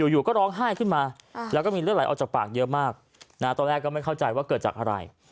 อยู่ก็ร้องไห้ขึ้นมาแล้วก็มีเลือดไหลออกจากปากเยอะมากตอนแรกก็ไม่เข้าใจว่าเกิดจากอะไร